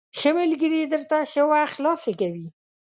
ښه ملگري درته ښه وخت لا ښه کوي